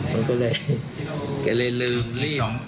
มันก็เลยลืมรีบ